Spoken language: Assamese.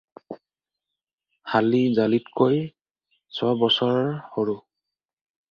হালি জালিতকৈ ছবছৰৰ সৰু।